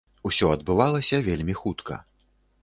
Усё адбывалася вельмі хутка.